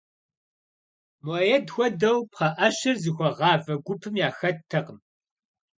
Муаед хуэдэу пхъэӀэщэр зыхуэгъавэ гупым яхэттэкъым.